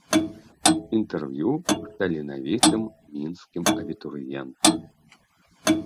Інтэрв'ю з таленавітым мінскім абітурыентам.